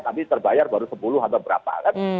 tapi terbayar baru sepuluh atau berapa kan